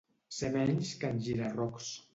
Ser menys que en Gira-rocs.